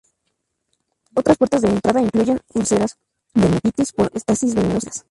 Otras puertas de entrada incluyen úlceras, dermatitis por estasis venosa y heridas.